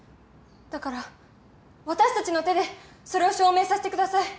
だから私たちの手でそれを証明させてください！